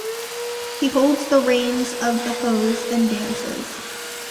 He holds the reins of 'the hose' and dances.